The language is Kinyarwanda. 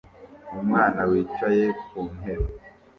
Umwana wicaye ku ntebe